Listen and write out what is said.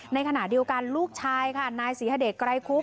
ในขณะเดียวกันลูกชายค่ะนายศรีฮเดชไกรคุบ